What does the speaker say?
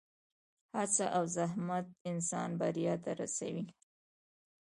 هڅه او زحمت انسان بریا ته رسوي.